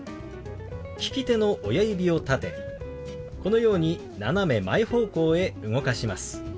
利き手の親指を立てこのように斜め前方向へ動かします。